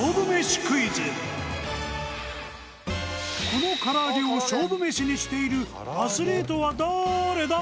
このからあげを勝負飯にしているアスリートはだれだ？